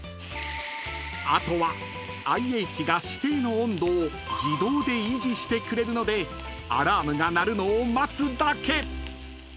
［あとはＩＨが指定の温度を自動で維持してくれるのでアラームが鳴るのを待つだけ］